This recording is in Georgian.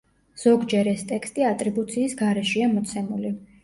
ზოგჯერ ეს ტექსტი ატრიბუციის გარეშეა მოცემული.